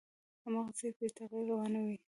هماغسې بې تغییره روان وي،